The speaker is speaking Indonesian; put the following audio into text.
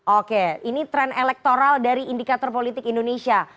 oke ini tren elektoral dari indikator politik indonesia